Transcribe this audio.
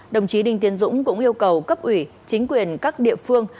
đồng chí đinh tiến dũng cũng yêu cầu cấp ủy chính quyền các địa phương